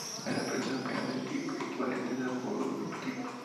La expresión española equivalente es apuro de tiempo.